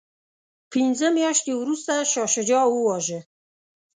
پنځه میاشتې وروسته شاه شجاع وواژه.